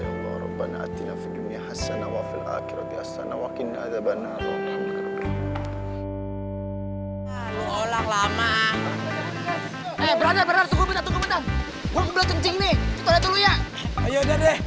yang amba yakin itu sudah termasuk fitnah ya allah